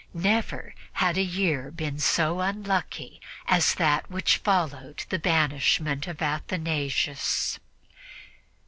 Never had a year been so unlucky as that which followed the banishment of Athanasius.